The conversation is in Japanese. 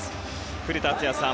古田敦也さん